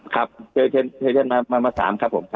ครับเจอเชิญมา๓ครับผม